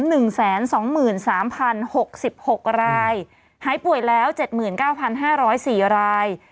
หนึ่งแสนสองหมื่นสามพันหกสิบหกรายหายป่วยแล้วเจ็ดหมื่นเก้าพันห้าร้อยสี่ราย